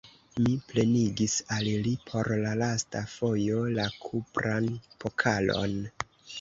Mi plenigis al li por la lasta fojo la kupran pokalon.